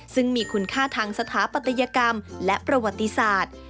ซึ่งมีคุณค่าทางสถาปัตยกรรมและประวัติศาสตร์